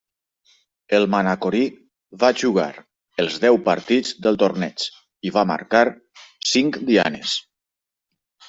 El manacorí va jugar els deu partits del torneig i va marcar cinc dianes.